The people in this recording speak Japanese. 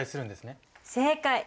正解！